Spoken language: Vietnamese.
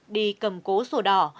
đi cầm cố sổ đỏ